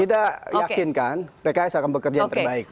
kita yakinkan pks akan bekerja yang terbaik